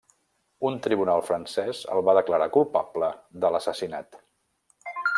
Un tribunal francès el va declarar culpable de l'assassinat.